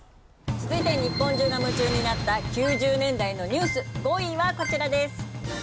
続いて日本中が夢中になった９０年代のニュース５位はこちらです。